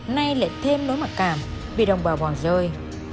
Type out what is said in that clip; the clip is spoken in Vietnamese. nay lại thêm nỗi mặc cảm vì đồng bào bỏ rơi